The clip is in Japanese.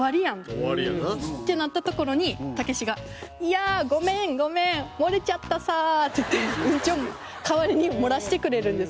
終わりやな。ってなったところにたけしが「いやぁーゴメンゴメン！！」「もれちゃったさー！！！」って言ってうんちを代わりに漏らしてくれるんです。